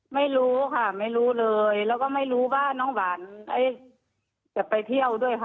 ไม่รู้ค่ะไม่รู้เลยแล้วก็ไม่รู้ว่าน้องหวานจะไปเที่ยวด้วยค่ะ